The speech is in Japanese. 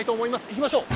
いきましょう！